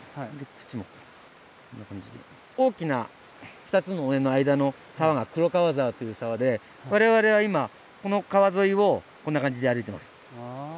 大きな２つの尾根の間の沢が黒川沢という沢で我々は今この川沿いをこんな感じで歩いてます。